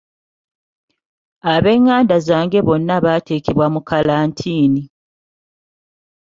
Abenganda zange bonna baateekebwa mu kkalantiini.